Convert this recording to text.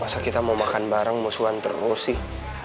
masa kita mau makan bareng musuhan terus sih